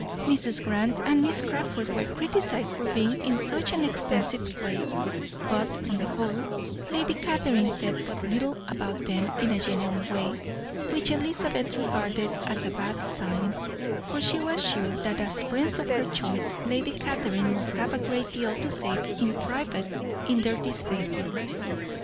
Mrs. Grant and Miss Crawford were criticized for being in such an expensive place; but on the whole, Lady Catherine said but little about them in a general way, which Elizabeth regarded as a bad sign, for she was sure, that as friends of her choice, Lady Catherine must have a great deal to say in private in their disfavour.